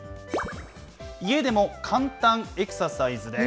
家でも簡単エクササイズです。